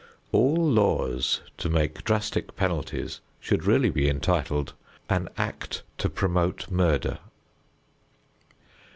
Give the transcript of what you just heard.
All laws to make drastic penalties should really be entitled: "An Act to Promote Murder."